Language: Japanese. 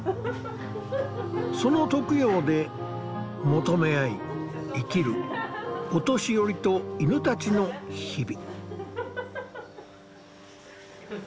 その特養で求め合い生きるお年寄りと犬たちの日々。